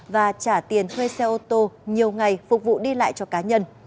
và trả tiền thuê xe ô tô nhiều ngày phục vụ đi lại cho cá nhân